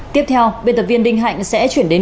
tiếp theo biên tập viên đinh hạnh sẽ chuyển đến